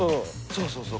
そうそうそう。